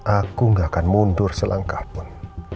aku gak akan mundur selangkahpun